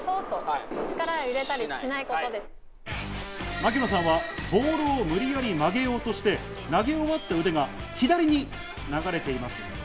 槙野さんはボールを無理やり曲げようとして、投げ終わった腕が左に流れています。